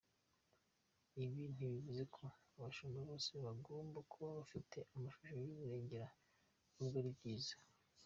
Ibi ntibivuze ko abashumba bose bagomba kuba bafite amashuri y’umurengera nubwo ari byiza.